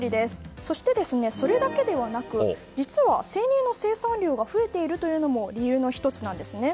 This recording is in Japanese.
そして、それだけではなく実は生乳の生産量が増えているというのも理由の１つなんですね。